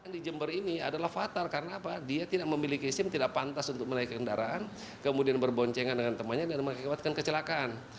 di jember ini adalah fatal karena apa dia tidak memiliki sim tidak pantas untuk menaikkan kendaraan kemudian berboncengan dengan temannya dan mengakibatkan kecelakaan